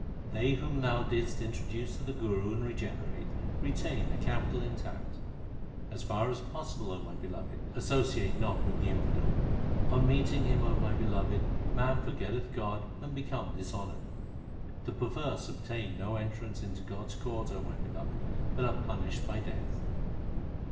They whom Thou didst introduce to the Guru and re generate, retain their capital intact. As far as possible, O my Beloved, associate not with the infidel. On meeting him, O my Beloved, man forgetteth God and becometh dishonoured. The perverse obtain no entrance into God s court, O my Beloved, but are punished by Death.